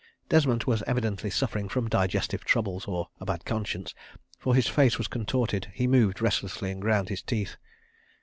Desmont was evidently suffering from digestive troubles or a bad conscience, for his face was contorted, he moved restlessly and ground his teeth.